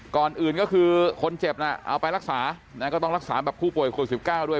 ก่อนอื่นก็คือคนเจ็บน่ะเอาไปรักษาก็ต้องรักษาแบบผู้ป่วยโควิด๑๙ด้วย